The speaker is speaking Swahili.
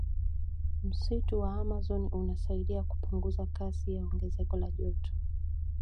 Msitu wa amazon unasaidia kupunguza kasi ya ongezeko la joto